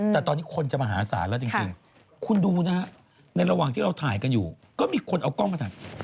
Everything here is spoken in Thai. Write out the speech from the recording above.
แต่ตอนนี้คนจะมหาศาลแล้วจริงคุณดูนะฮะในระหว่างที่เราถ่ายกันอยู่ก็มีคนเอากล้องมาถ่าย